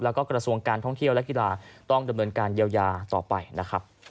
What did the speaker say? แล้วก็กระทรวงการท่องเที่ยวและกีฬาต้องดำเนินการเยียวยาต่อไปนะครับ